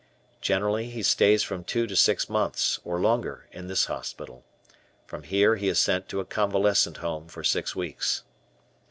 Generally he stays from two to six months, or longer, in this hospital. From here he is sent to a convalescent home for six weeks.